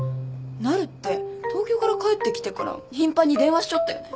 なるって東京から帰ってきてから頻繁に電話しちょったよね。